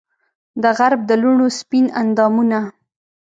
دغرب د لوڼو سپین اندامونه